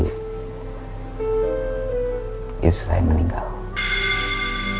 kisah saya meninggal